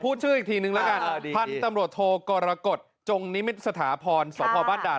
ชื่ออีกทีนึงแล้วกันพันธุ์ตำรวจโทกรกฎจงนิมิตรสถาพรสพบ้านด่าน